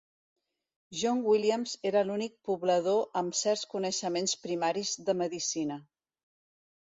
John Williams era l'únic poblador amb certs coneixements primaris de medicina.